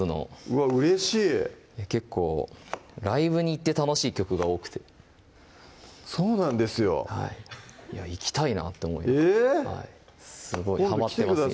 うれしい結構ライブに行って楽しい曲が多くてそうなんですよいや行きたいなってえぇ⁉すごいはまってます